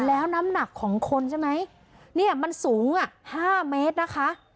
แล้วน้ำหนักของคนใช่ไหมเนี่ยมันสูงอ่ะ๕เมตรนะคะ